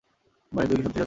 বানি তুই সত্যিই যাচ্ছিস?